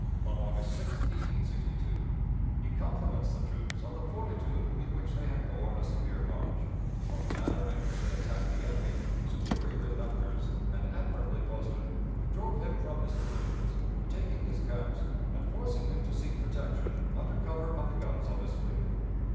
on August 6, 1862, he compliments the troops on the fortitude with which they had borne a severe march, on the manner in which they attacked the enemy, superior in numbers and admirably posted, drove him from his positions, taking his camps, and forcing him to seek protection under cover of the guns of his fleet.